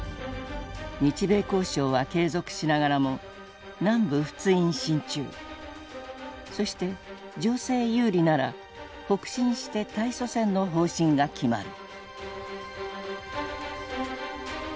日米交渉は継続しながらも「南部仏印進駐」そして情勢有利なら「北進して対ソ戦」の方針が決まる。